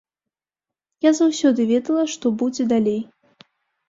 Я заўсёды ведала што будзе далей.